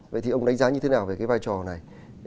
vậy thì ông đánh giá như thế nào về cái vai trò này